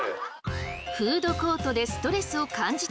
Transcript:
フードコートでストレスを感じている人